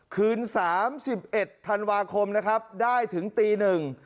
คืน๓๑ธันวาคมนะครับได้ถึงตีหนึ่ง